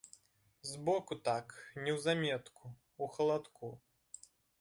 Збоку так, неўзаметку, у халадку.